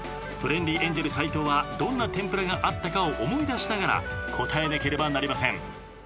トレンディエンジェル斎藤はどんな天ぷらがあったかを思い出しながら答えなければなりません。